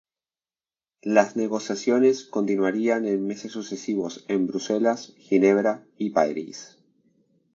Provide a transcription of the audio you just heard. Las negociaciones continuarían en meses sucesivos en Bruselas, Ginebra y París.